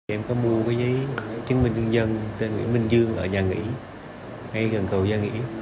em có mua giấy chứng minh nhân dân tên nguyễn minh dương ở nhà nghỉ ngay gần cầu gia nghỉ